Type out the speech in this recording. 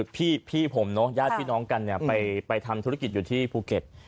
พี่ผมเนอะญาติพี่น้องกันไปทำธุรกิจอยู่ที่ภูเก็ต